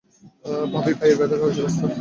ভাবি পায়ের ব্যাথার কী অবস্থা?